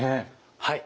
はい。